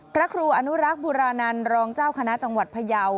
พระครูอนุรักษ์บุรานันต์รองเจ้าคณะจังหวัดพยาว